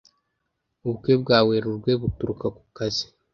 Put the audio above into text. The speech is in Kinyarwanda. Ubukwe bwa Werurwe buturuka ku kazi